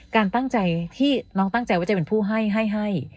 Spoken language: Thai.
การตั้งใจที่น้องตั้งใจว่าจะเป็นผู้ให้ให้